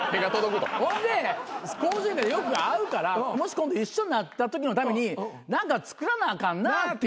ほんで『向上委員会』でよく会うからもし今度一緒になったときのために何か作らなあかんなって言ったんすよ。